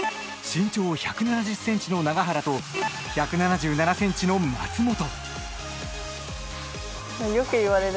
身長１７０ｃｍの永原と１７７ｃｍの松本。